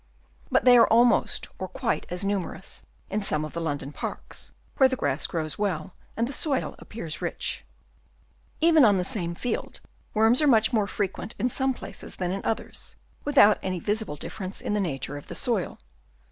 But they are almost or quite as numerous in some of the London parks, where the grass grows well and the soil appears rich. Even on the same field worms are much more frequent in some places than in others, without any visible difference in the nature of the soil.